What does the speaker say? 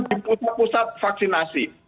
di pusat pusat vaksinasi